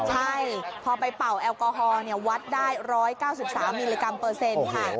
ใช่พอไปเป่าแอลกอฮอล์วัดได้๑๙๓มิลลิกรัมเปอร์เซ็นต์ค่ะ